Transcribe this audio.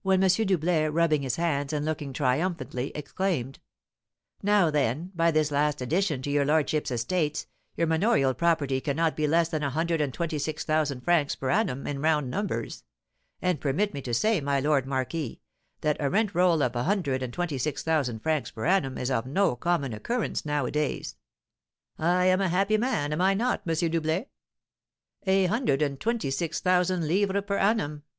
Doublet, rubbing his hands, and looking triumphantly, exclaimed: "Now, then, by this last addition to your lordship's estates, your manorial property cannot be less than a hundred and twenty six thousand francs per annum, in round numbers. And permit me to say, my lord marquis, that a rent roll of a hundred and twenty six thousand francs per annum is of no common occurrence nowadays." "I am a happy man, am I not, M. Doublet? A hundred and twenty six thousand livres per annum!